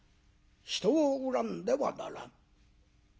人を恨んではならぬ。